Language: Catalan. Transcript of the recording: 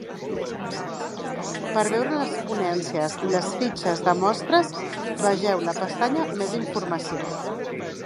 Per veure les ponències i les fitxes de mostres vegeu la pestanya Més informació.